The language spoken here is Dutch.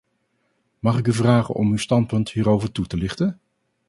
Mag ik u vragen om uw standpunt hierover toe te lichten?